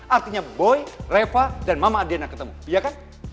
artinya boy reva dan mama adena ketemu iya kan